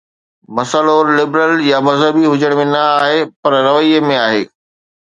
مسئلو لبرل يا مذهبي هجڻ ۾ نه آهي، پر رويي ۾.